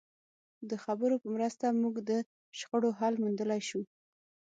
د خبرو په مرسته موږ د شخړو حل موندلای شو.